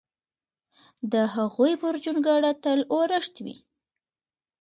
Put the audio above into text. د هغوی پر جونګړه تل اورښت وي!